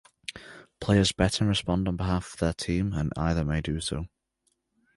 Players bet and respond on behalf of their team and either may do so.